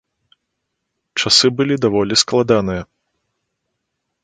Часы былі даволі складаныя.